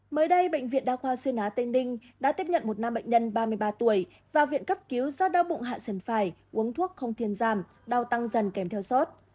mới đây bệnh viện đa khoa xuyên á tây ninh đã tiếp nhận một nam bệnh nhân ba mươi ba tuổi vào viện cấp cứu do đau bụng hạ dần phải uống thuốc không thiên giảm đau tăng dần kèm theo sốt